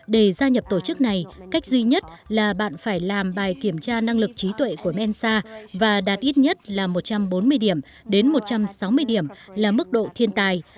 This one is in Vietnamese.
để gia nhập tổ chức này cách duy nhất là bạn phải làm bài kiểm tra năng lực trí tuệ của mensa và đạt ít nhất là một trăm bốn mươi điểm đến một trăm sáu mươi điểm là mức độ thiên tài